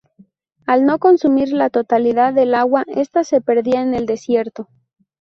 Al no consumir la totalidad del agua, esta se perdía en el desierto.